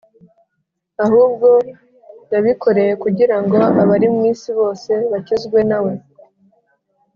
ahubwo yabikoreye kugira ngo abari mu isi bose bakizwe na we.